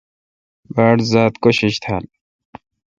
باڑ ذات کوشش تھال۔